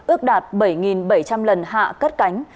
ước đạt bảy bảy trăm linh lần hạ cất cánh